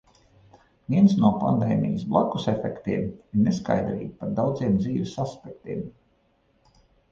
Viens no pandēmijas "blakusefektiem" ir neskaidrība par daudziem dzīves aspektiem.